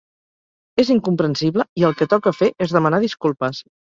És incomprensible, i el que toca fer és demanar disculpes.